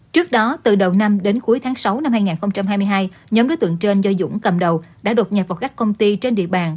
trước đó từ đầu năm đến cuối tháng sáu năm hai nghìn hai mươi hai nhóm đối tượng trên do dũng cầm đầu đã đột nhập vào các công ty trên địa bàn